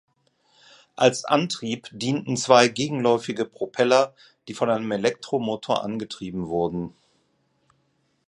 Als Antrieb dienten zwei gegenläufige Propeller, die von einem Elektromotor angetrieben wurden.